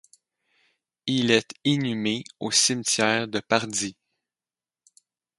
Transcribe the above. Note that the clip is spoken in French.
Il est inhumé au cimetière de Pardies.